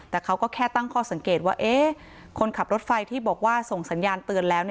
แต่เขาก็แค่ตั้งข้อสังเกตว่าคนขับรถไฟที่บอกว่าส่งสัญญาณเตือนแล้ว